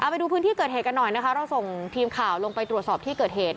ไปดูพื้นที่เกิดเหตุกันหน่อยนะคะเราส่งทีมข่าวลงไปตรวจสอบที่เกิดเหตุ